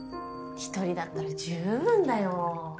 一人だったら十分だよ。